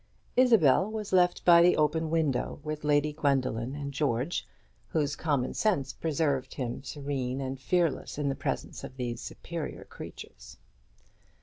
Isabel was left by the open window with Lady Gwendoline and George, whose common sense preserved him serene and fearless in the presence of these superior creatures.